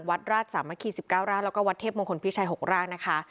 วัดราชสามัคคี๑๙ร่างแล้วก็วัดเทพมงคลพิชัย๖ร่างนะคะ